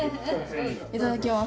いただきます。